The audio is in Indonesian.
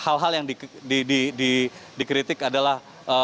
hal hal yang dikritik adalah